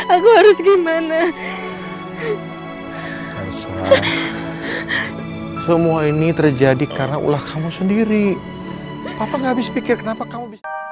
aku harus gimana semua ini terjadi karena ulah kamu sendiri apa ngabis pikir kenapa kamu bisa